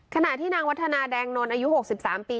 ขณะที่นางวัฒนาแดงนท์อายุหกสิบสามปี